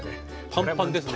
パンパンですね。